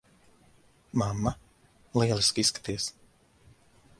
Mamma, lieliski izskaties.